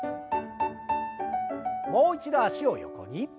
もう一度脚を横に。